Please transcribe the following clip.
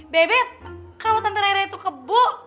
bebep kalau tante reret itu kebo